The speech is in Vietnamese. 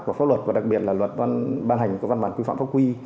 của pháp luật và đặc biệt là luật ban hành có văn bản quy phạm pháp quy